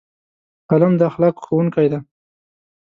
قلم د اخلاقو ښوونکی دی